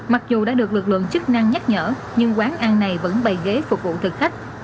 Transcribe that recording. mặc dù đã được lực lượng chức năng nhắc nhở nhưng quán ăn này vẫn bày ghế phục vụ thực khách